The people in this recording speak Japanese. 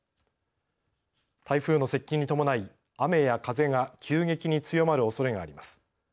台風の接近に伴い、雨や風が急激に強まるおそれがあります。